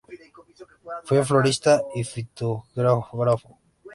Fue florista y fitogeógrafo.